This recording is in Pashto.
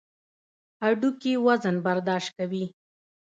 هډوکي وزن برداشت کوي.